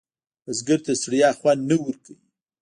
بزګر ته ستړیا خوند نه ورکوي